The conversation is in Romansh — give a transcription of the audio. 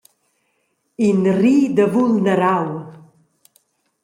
In rir da vulnerau.